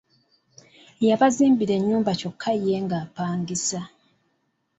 Yabazimbira ennyumba kyokka nga ye akyapangisa!